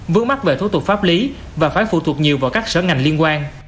vướng mắt về thủ tục pháp lý và khó phụ thuộc nhiều vào các sở ngành liên quan